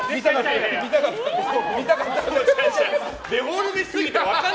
見たかったから。